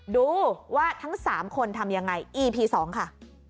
ดูว่าทั้ง๓คนทำยังไงอีพี๒ค่ะ